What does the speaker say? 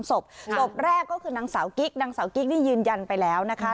ศพศพแรกก็คือนางสาวกิ๊กนางสาวกิ๊กนี่ยืนยันไปแล้วนะคะ